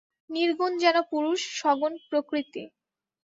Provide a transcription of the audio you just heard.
নির্গুণ যেন পুরুষ, সগুণ প্রকৃতি।